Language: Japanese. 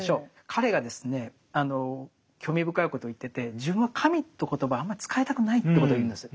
彼がですね興味深いことを言ってて自分は神という言葉をあんまり使いたくないということを言うんです。